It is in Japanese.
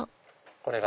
これが？